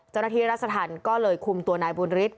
เจ้าหน้าที่รัชธรรมก็เลยคุมตัวนายบุญฤทธ